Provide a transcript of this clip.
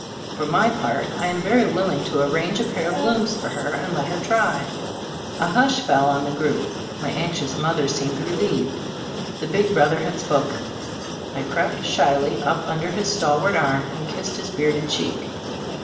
For my part, I am very willing to arrange a pair of looms for her and let her try." A hush fell on the group. My anxious mother seemed relieved. The big brother had spoken. I crept shyly up under his stalwart arm and kissed his bearded cheek.